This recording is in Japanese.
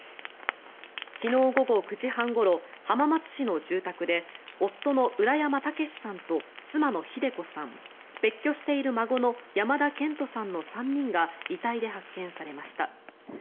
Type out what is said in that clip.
昨日午後９時半ごろ浜松市の住宅で夫の浦山毅さんと妻の秀子さん別居している孫の山田健人さんの３人が遺体で発見されました。